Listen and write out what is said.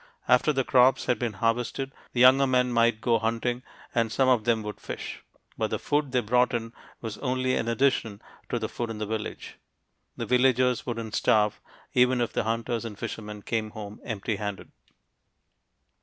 After the crops had been harvested the younger men might go hunting and some of them would fish, but the food they brought in was only an addition to the food in the village; the villagers wouldn't starve, even if the hunters and fishermen came home empty handed.